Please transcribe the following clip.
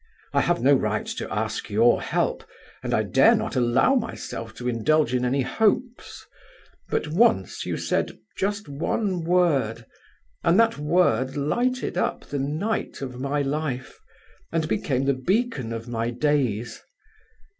I have no right to ask your help, and I dare not allow myself to indulge in any hopes; but once you said just one word, and that word lighted up the night of my life, and became the beacon of my days.